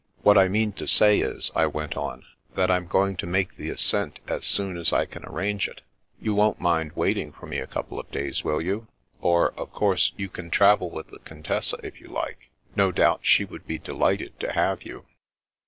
" What I mean to say is," I went on, " that I'm going to make the ascent as soon as I can arrange it. You won't mind waiting for me a couple of days, will you ?— or, of course, you can travel with the Contessa if you like. No doubt she would be delighted to have you.